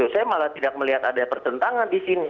saya malah tidak melihat ada pertentangan di sini